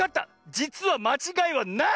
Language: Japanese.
じつはまちがいはない！